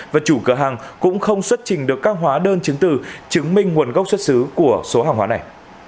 và chủ cửa hàng cũng không xuất trình được các hóa đơn chứng từ chứng minh nguồn gốc xuất xứ của số hàng hóa này